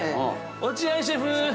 落合シェフ。